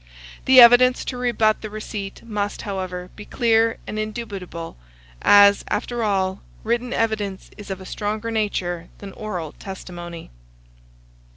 The evidence to rebut the receipt must, however, be clear and indubitable, as, after all, written evidence is of a stronger nature than oral testimony.